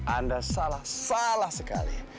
anda salah salah sekali